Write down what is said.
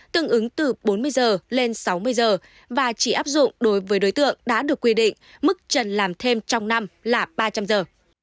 tương ứng từ bốn mươi giờ lên sáu mươi giờ và chỉ áp dụng đối với đối tượng đã được quy định mức trần làm thêm trong năm là ba trăm linh giờ